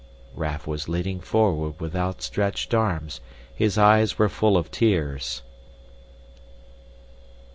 Raff was leaning forward with outstretched arms. His eyes were full of tears.